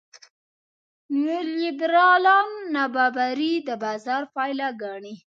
نیولېبرالان نابرابري د بازار پایله ګڼي.